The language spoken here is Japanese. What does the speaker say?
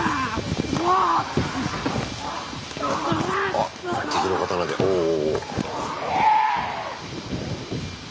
あっ敵の刀でおおお。